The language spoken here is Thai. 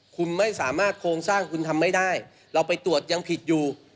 คุณไม่สามารถโครงสร้างคุณทำไม่ได้เราไปตรวจยังผิดอยู่